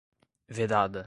vedada